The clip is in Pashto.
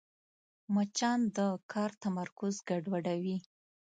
مچان د کار تمرکز ګډوډوي